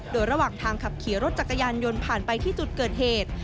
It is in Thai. โดยระหว่างทางขับขี่รถจักรยานยนต์ผ่านไปที่จุดเกิดเหตุ